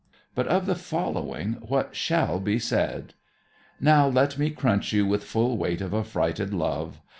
But of the following what shall be said: Now let me crunch you With full weight of affrighted love.